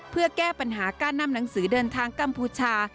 เพื่อแก้ปัญหาการนำหนังสือเดินทางกัมพูชา